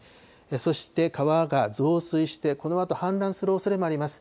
そして、川が増水して、このあと氾濫するおそれもあります。